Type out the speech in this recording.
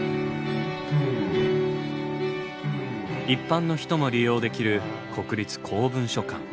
一般の人も利用できる国立公文書館。